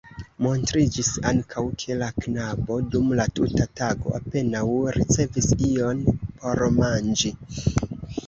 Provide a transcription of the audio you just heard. Montriĝis ankaŭ, ke la knabo dum la tuta tago apenaŭ ricevis ion por manĝi.